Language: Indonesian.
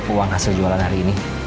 uang hasil jualan hari ini